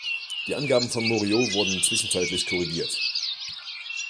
Die Angaben von Morio wurden zwischenzeitlich korrigiert.